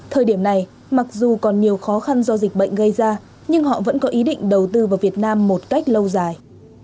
thời điểm này mặc dù còn nhiều khó khăn do dịch bệnh gây ra nhưng họ vẫn có ý định đầu tư vào việt nam một cách lâu dài